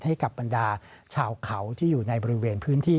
ให้กับบรรดาชาวเขาที่อยู่ในบริเวณพื้นที่